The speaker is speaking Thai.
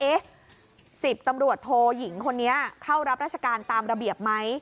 ๑๐ตำรวจโทยิงคนนี้เข้ารับราชการตามระเบียบไหม